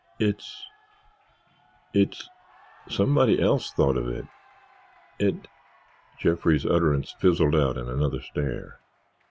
"It's—it's—somebody else thought of it—it——" Jeffrey's utterance fizzled out in another stare.